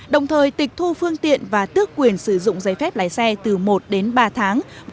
đồng thời tịch thu phương tiện và tước quyền sử dụng giấy phép lái xe từ một đến ba tháng